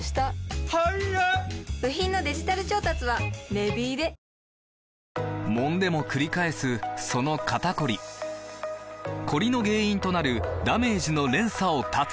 「メリット」もんでもくり返すその肩こりコリの原因となるダメージの連鎖を断つ！